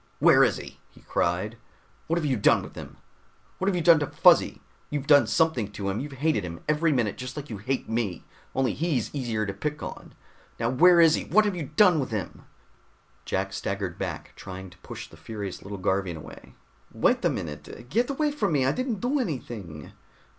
"Where is he?" he cried. "What have you done with him? What have you done to Fuzzy? You've done something to him! You've hated him every minute just like you hate me, only he's easier to pick on. Now where is he? What have you done to him?" Jack staggered back, trying to push the furious little Garvian away. "Wait a minute! Get away from me! I didn't do anything!"